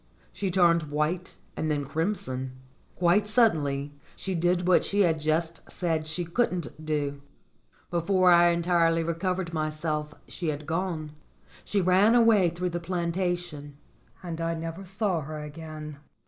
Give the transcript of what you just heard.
She turned white and then crimson. Quite suddenly she did what she had just said she couldn't do. Before I entirely recovered myself she had gone. She ran away through the plantation and I never saw her again.